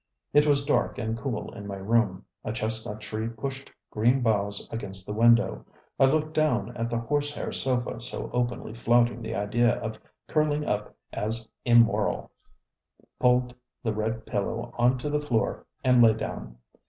It was dark and cool in my room. A chestnut tree pushed green boughs against the window. I looked down at the horsehair sofa so openly flouting the idea of curling up as immoral, pulled the red pillow on to the floor and lay down.